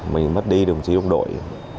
mình mất đi đồng chí đồng đội